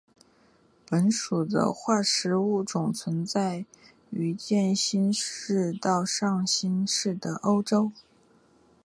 本属的化石物种存在于渐新世到上新世的欧洲。